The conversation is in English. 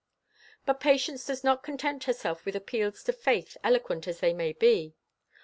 But Patience does not content herself with appeals to faith, eloquent as they may be.